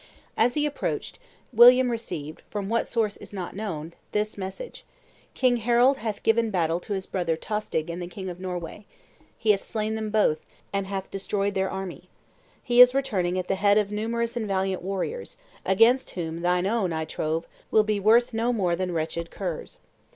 As he approached, William received, from what source is not known, this message: "King Harold hath given battle to his brother Tostig and the king of Norway. He hath slain them both, and hath destroyed their army. He is returning at the head of numerous and valiant warriors, against whom thine own, I trove, will be worth no more than wretched curs.